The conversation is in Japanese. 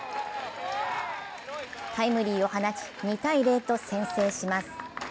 タイムリーを放ち２−０と先制します。